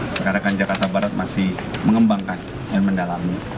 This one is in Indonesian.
rekan rekan jakarta barat masih mengembangkan dan mendalami